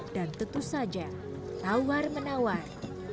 dan tentu saja tawar menawar